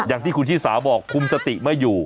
อย่างที่คุณชิสาบอกคุมสติไม่อยู่